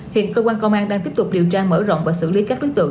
hiện cơ quan công an đang tiếp tục điều tra mở rộng và xử lý các đối tượng